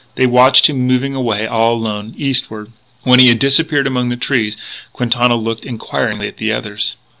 They watched him moving away all alone, eastward. When he had disappeared among the trees, Quintana looked inquiringly at the others.